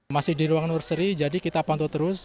masih di ruang nursery jadi kita pantau terus